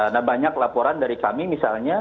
nah banyak laporan dari kami misalnya